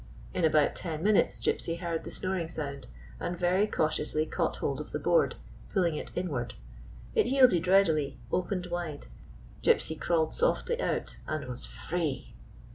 In about ten minutes Gypsy heard the snoring sound, and very cautiously caught hold of the board, pulling it inward. It yielded readily, opened wide; Gypsy crawled softly out — and was free!